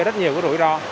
rất nhiều cái rủi ro